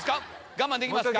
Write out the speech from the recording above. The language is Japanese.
我慢できますか？